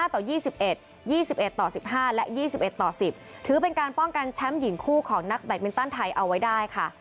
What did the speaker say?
ต่อ๒๑๒๑ต่อ๑๕และ๒๑ต่อ๑๐ถือเป็นการป้องกันแชมป์หญิงคู่ของนักแบตมินตันไทยเอาไว้ได้ค่ะ